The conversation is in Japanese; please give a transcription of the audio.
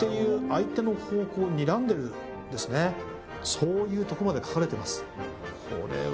そういうとこまで描かれてます。